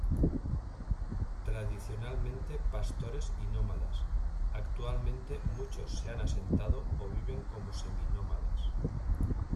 Tradicionalmente pastores y nómadas, actualmente muchos se han asentado o viven como semi-nómadas.